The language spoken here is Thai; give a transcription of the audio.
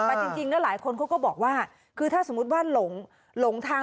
แต่จริงแล้วหลายคนเขาก็บอกว่าคือถ้าสมมุติว่าหลงทาง